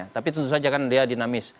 tapi tentu saja kan dia dinamis